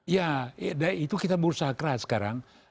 ya dan itu kita berusaha keras sekarang